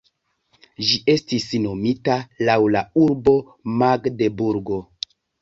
Ĝi estis nomita laŭ la urbo Magdeburgo.